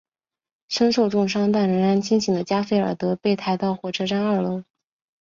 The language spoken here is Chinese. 身受重伤但仍然清醒的加菲尔德被抬到火车站二楼。